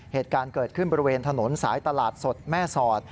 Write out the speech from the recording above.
เหตุการณ์เกิดขึ้นบริเวณถนนสายตลาดสดแม่สอด